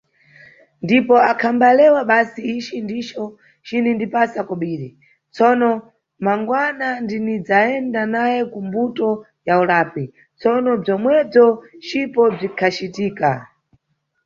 Ndipo, akhambalewa basi "ici ndico cinindipasa kobiri, tsono mangwana ndinidzayenda nawe ku mbuto ya ulapi", Tsono bzomwebzo cipo bzikhacitika.